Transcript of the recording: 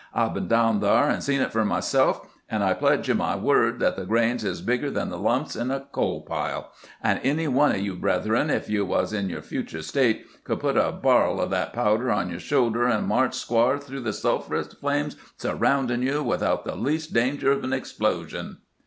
I 've been down thar and 222 CAMPAIGNING WITH GRANT seen it for myself, and I pledge you my word tliat the grains is bigger than the lumps in a coal pile ; and any one of you, brethren, ef you was in your future state, could put a bar'l o' that powder on your shoulder and march squar' through the sulphurious flames surround in' you without the least danger of an explosion.'